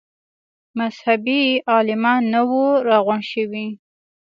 مذهبي عالمان نه وه راغونډ شوي.